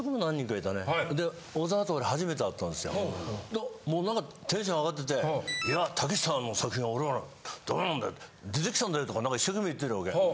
でもう何かテンション上がってていや武さんの作品は俺はなダメなんだよ出てきたんだよとか何か一生懸命言ってるわけ。